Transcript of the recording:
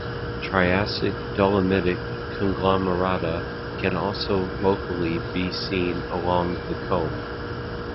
Triassic dolomitic conglomerate can also locally be seen along the combe.